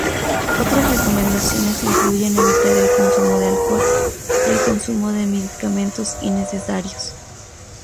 Otras recomendaciones incluyen evitar el consumo de alcohol y el consumo de medicamentos innecesarios.